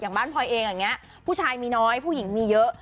บ้านพลอยเองอย่างนี้ผู้ชายมีน้อยผู้หญิงมีเยอะ